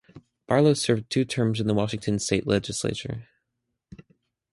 Barlow served two terms in the Washington State Legislature.